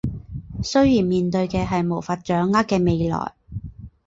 虽然面对的是无法掌握的未来